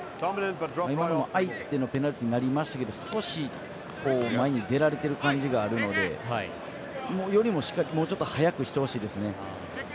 今のも相手のペナルティになりましたけど前に出られている感じがありますので寄り、しっかり早くしてほしいですね。